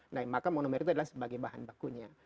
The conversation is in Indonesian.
nah maka monomer itu adalah sebagai bahan bakunya